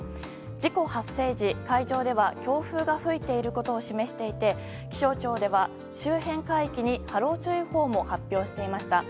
事故発生時、海上では強風が吹いていることを示していて気象庁では周辺海域に波浪注意報も発表していました。